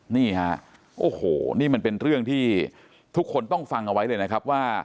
นี่ฮะโอ้โหนี่มันเป็นเรื่องที่ทุกคนต้องฟังเอาไว้เลยนะครับว่า